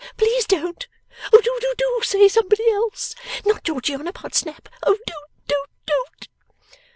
'Please don't. Oh do do do say somebody else! Not Georgiana Podsnap. Oh don't, don't, don't!